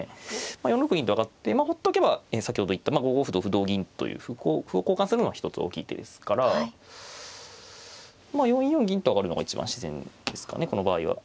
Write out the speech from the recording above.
４六銀と上がってほっとけば先ほど言った５五歩同歩同銀という歩を交換するのが一つ大きい手ですから４四銀と上がるのが一番自然ですかねこの場合は。